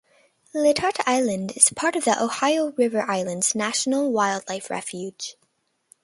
Letart Island is a part of the Ohio River Islands National Wildlife Refuge.